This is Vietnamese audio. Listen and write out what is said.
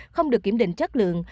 không được kiểm định chất lượng